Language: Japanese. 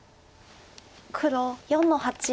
黒４の八。